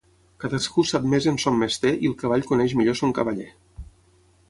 Cadascú sap més en son mester i el cavall coneix millor son cavaller.